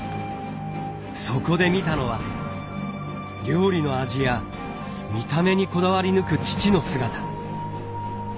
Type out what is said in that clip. そこで見たのは料理の味や見た目にこだわり抜く父の姿。